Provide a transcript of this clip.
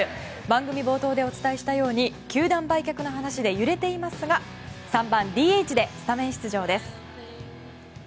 番組冒頭でお伝えしたように球団売却の話で揺れていますが、３番ＤＨでスタメン出場です。